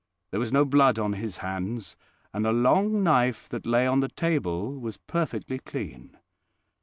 There was no blood on his hands, and a long knife that lay on the table was perfectly clean.